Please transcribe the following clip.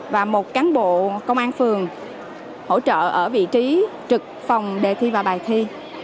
và một cán bộ công an phường hỗ trợ ở vị trí cổng điểm thi